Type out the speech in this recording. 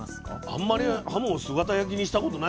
あんまりはもを姿焼きにしたことないからね。